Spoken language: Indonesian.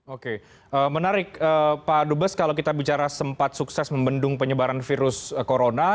oke menarik pak dubes kalau kita bicara sempat sukses membendung penyebaran virus corona